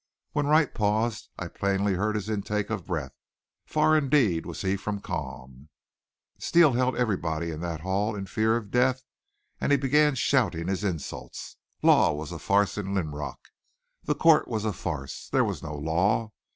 When Wright paused I plainly heard his intake of breath. Far indeed was he from calm. "Steele held everybody in that hall in fear of death, and he began shouting his insults. Law was a farce in Linrock. The court was a farce. There was no law.